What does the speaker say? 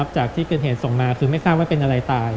จากที่เกิดเหตุส่งมาคือไม่ทราบว่าเป็นอะไรตาย